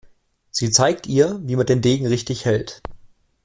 Sie zeigt ihr, wie man den Degen richtig hält.